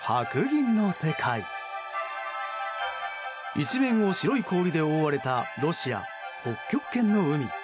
一面を白い氷で覆われたロシア、北極圏の海。